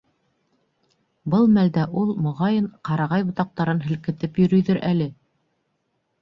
Был мәлдә ул, моғайын, ҡарағай ботаҡтарын һелкетеп йөрөйҙөр әле.